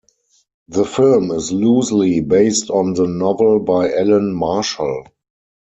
The film is loosely based on the novel by Alan Marshall.